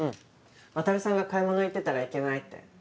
渉さんが買い物行ってたらいけないって一応。